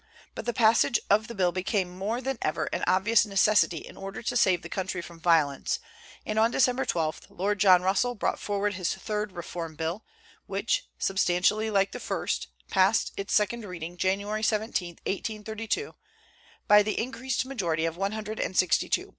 But the passage of the bill became more than ever an obvious necessity in order to save the country from violence; and on December 12 Lord John Russell brought forward his third Reform Bill, which, substantially like the first, passed its second reading January 17, 1832, by the increased majority of one hundred and sixty two.